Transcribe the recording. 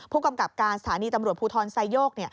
ผู้กำกับการสถานีตำรวจภูทรไซโยก